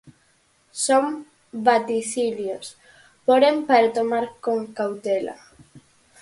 Son vaticinios, porén, para tomar con cautela.